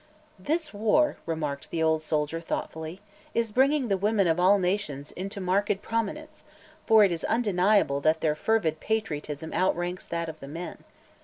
"This war," remarked the old soldier, thoughtfully, "is bringing the women of all nations into marked prominence, for it is undeniable that their fervid patriotism outranks that of the men.